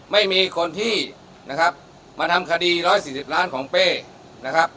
ไม่มีคนที่นะครับมาทำคดี๑๔๐ล้านของเป้นะครับ